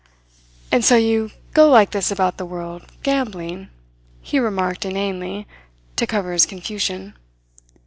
"And so you go like this about the world, gambling," he remarked inanely, to cover his confusion.